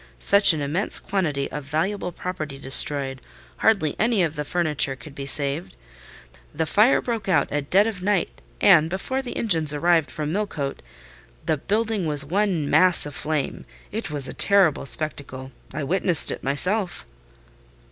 such an immense quantity of valuable property destroyed: hardly any of the furniture could be saved. The fire broke out at dead of night, and before the engines arrived from Millcote, the building was one mass of flame. It was a terrible spectacle: I witnessed it myself."